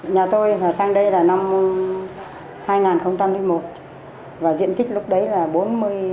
nhà tôi sang đây là năm hai nghìn một